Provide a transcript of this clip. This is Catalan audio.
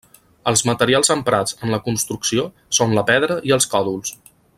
Els materials emprats en la construcció són la pedra i els còdols.